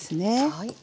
はい。